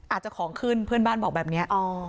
อาจจะของขึ้นเพื่อนบ้านบอกแบบนี้